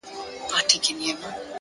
د خاموش پارک فضا د ذهن سرعت کموي,